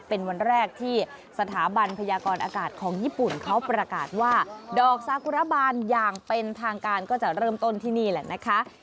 เป็นวันแรกที่สถาบันพยากรอากาศของญี่ปุ่นเขาประกาศว่าดอกซากุระบานอย่างเป็นทางการก็จะเริ่มต้นที่นี่แหละนะคะ